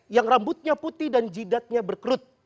yang rambutnya putih dan jidatnya berkerut